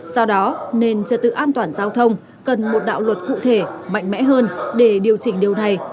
do đó nền trật tự an toàn giao thông cần một đạo luật cụ thể mạnh mẽ hơn để điều chỉnh điều này